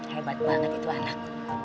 hebat banget itu anak